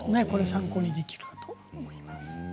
参考にできると思います。